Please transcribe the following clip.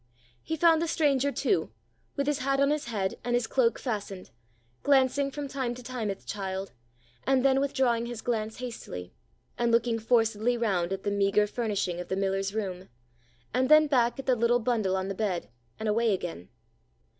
He found the stranger too, with his hat on his head, and his cloak fastened, glancing from time to time at the child, and then withdrawing his glance hastily, and looking forcedly round at the meagre furnishing of the miller's room, and then back at the little bundle on the bed, and away again.